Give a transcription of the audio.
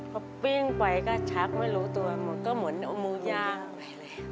พอปิ้งไปก็ชักไม่รู้ตัวมันก็เหมือนเอามือย่างไปเลย